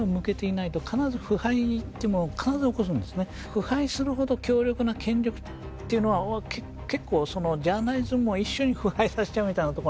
腐敗するほど強力な権力っていうのは結構そのジャーナリズムを一緒に腐敗させちゃうみたいなところがあるわけです。